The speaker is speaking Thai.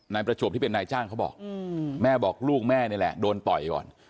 ประจวบที่เป็นนายจ้างเขาบอกแม่บอกลูกแม่นี่แหละโดนต่อยก่อน